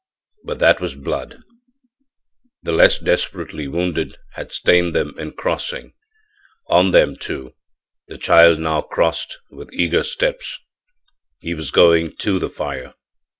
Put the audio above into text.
But that was blood; the less desperately wounded had stained them in crossing. On them, too, the child now crossed with eager steps; he was going to the fire.